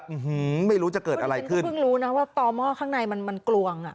ไม่รู้จะเกิดอะไรขึ้นเพิ่งรู้นะว่าต่อหม้อข้างในมันมันกลวงอ่ะ